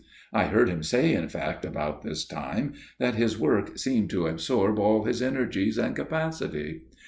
I heard him say in fact, about this time, that his work seemed to absorb all his energies and capacity.